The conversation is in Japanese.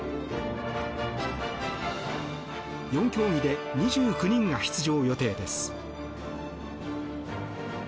４競技で２９人が出場予定です。